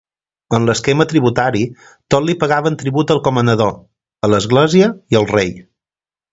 En l'esquema tributari, tots li pagaven tribut al comanador, a l'església i al rei.